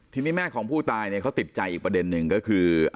ทีนี้แม่ของผู้ตายเนี่ยเขาติดใจอีกประเด็นหนึ่งก็คือ